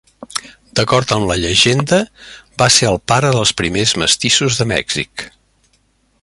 D'acord amb la llegenda, va ser el pare dels primers mestissos de Mèxic.